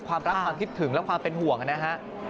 ความรักความคิดถึงและความเป็นห่วงนะฮะ